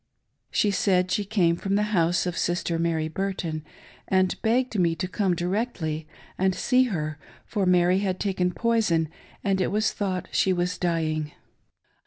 She said she came from the house of Sister Mary Bur ton, and begged me to come directly and see her, for Mary had taken poison and it was thought she was dying.